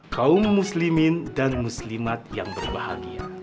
kaum muslimin dan muslimat yang berbahagia